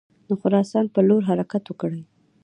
د خراسان پر لور حرکت وکړي.